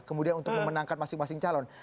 kemudian untuk memenangkan masing masing calon